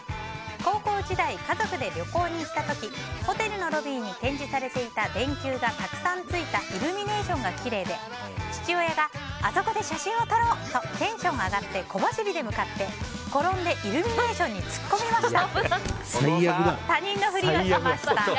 高校時代、家族で旅行に行った時ホテルのロビーに展示されていた電球がたくさんついたイルミネーションがきれいで父親があそこで写真を撮ろうとテンション上がって小走りで向かって転んで、イルミネーションに突っ込みました。